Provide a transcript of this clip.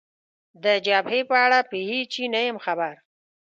د جبهې په اړه په هېڅ شي نه یم خبر.